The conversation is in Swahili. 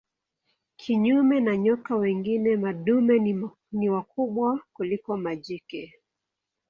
Kinyume na nyoka wengine madume ni wakubwa kuliko majike.